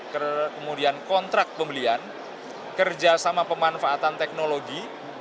kemudian kontrak pembelian kerjasama pemanfaatan teknologi